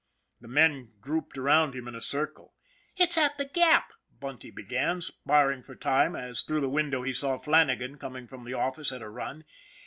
The men grouped around him in a circle. " It's at the Gap," Bunty began, sparring for time as through the window he saw Flannagan coming from the office at a run.